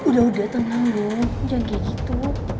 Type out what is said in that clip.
udah udah tenang dong yang kayak gitu